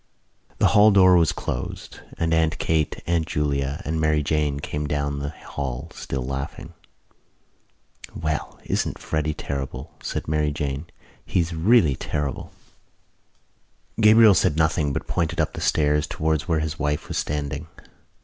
The hall door was closed; and Aunt Kate, Aunt Julia and Mary Jane came down the hall, still laughing. "Well, isn't Freddy terrible?" said Mary Jane. "He's really terrible." Gabriel said nothing but pointed up the stairs towards where his wife was standing.